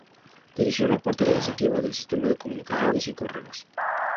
Dirigió la parte administrativa del sistema de comunicaciones y correos.